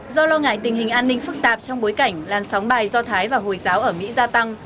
do lo ngại tình hình an ninh phức tạp trong bối cảnh làn sóng bài do thái và hồi giáo ở mỹ gia tăng